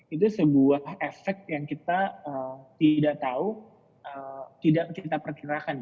itu sebuah efek yang kita tidak tahu tidak kita perkirakan